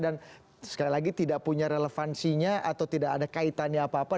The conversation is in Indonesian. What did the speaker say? dan sekali lagi tidak punya relevansinya atau tidak ada kaitannya apa apa